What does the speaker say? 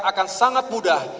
akan sangat mudah